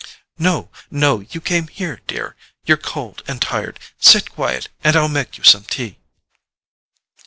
"No—no—you came here, dear! You're cold and tired—sit quiet, and I'll make you some tea."